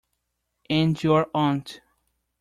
And your aunt.